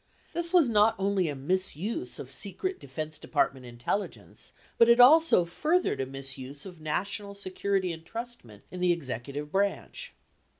37 This was not only a misuse of secret Defense Department intelligence, but it also furthered a misuse of national security entrustment in the execu tive branch.